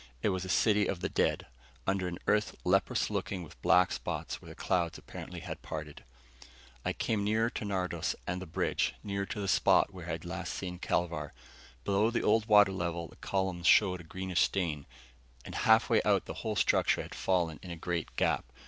It was a city of the dead, under an Earth leprous looking with black spots where the clouds apparently had parted. I came nearer to Nardos and the bridge, nearer to the spot where I had last seen Kelvar. Below the old water level, the columns showed a greenish stain, and half way out the whole structure had fallen in a great gap.